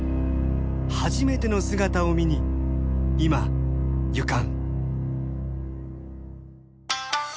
初めての姿を見に今行かん。